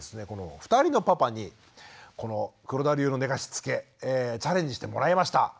この２人のパパにこの黒田流の寝かしつけチャレンジしてもらいました。